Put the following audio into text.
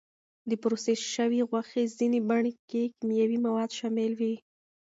د پروسس شوې غوښې ځینې بڼې کې کیمیاوي مواد شامل وي.